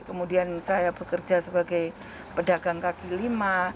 kemudian saya bekerja sebagai pedagang kaki lima